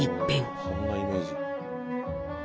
そんなイメージ。